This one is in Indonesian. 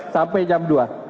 sampai jam dua